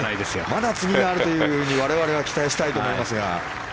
まだ次があるというふうに我々は期待したいと思いますが。